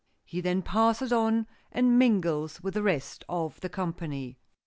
He then passes on and mingles with the rest of the company.